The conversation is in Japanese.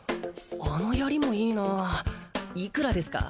あの槍もいいなあいくらですか？